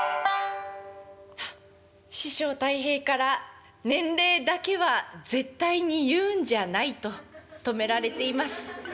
「は師匠たい平から『年齢だけは絶対に言うんじゃない』と止められています。